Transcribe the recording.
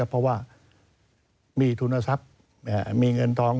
เพราะว่ามีทุนทรัพย์มีเงินทอง